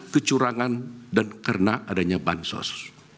kecurangan dan karena adanya bansos